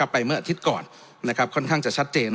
เมื่ออาทิตย์ก่อนค่อนข้างจะชัดเจน